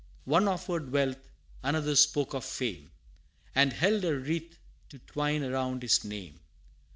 One offered wealth another spoke of fame, And held a wreath to twine around his name.